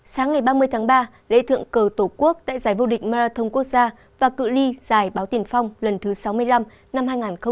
sáng ngày ba mươi tháng ba lễ thượng cờ tổ quốc tại giải vô địch marathon quốc gia và cự li giải báo tiền phong lần thứ sáu mươi năm năm hai nghìn hai mươi bốn